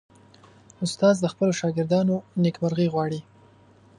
استاد د خپلو شاګردانو نیکمرغي غواړي.